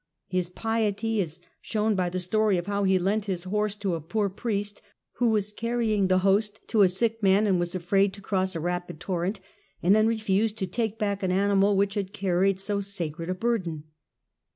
His piety is shown by the story of how he lent his horse to a poor Priest who was carrying the Host to a sick man and was afraid to cross a rapid torrent, and then refused to take back an animal which had carried so sacred a ])urden.